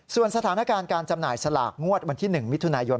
ส่วนสถานการณ์การจำหน่ายสลากงวดวันที่๑มิถุนายน